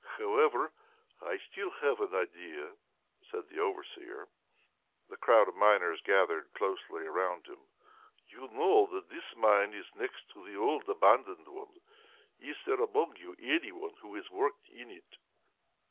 "However, I still have an idea!" said the overseer. The crowd of miners gathered closely around him again. "You know that this mine is next to the old abandoned one. Is there among you any one who has worked in it?"